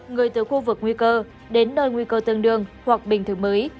người từ khu vực nguy cơ đến nơi nguy cơ tương đương hoặc bình thường mới